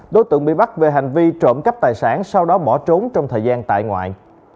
đối tượng bị bắt về hành vi trộm cắp tài sản sau đó bỏ trốn trong thời gian tại ngoại